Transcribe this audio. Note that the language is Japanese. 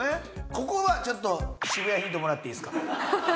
ここはちょっと渋谷ヒントもらっていいっすか？